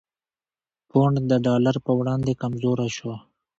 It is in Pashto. پونډ د ډالر په وړاندې کمزوری شو؛